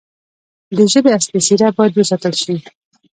د ژبې اصلي څیره باید وساتل شي.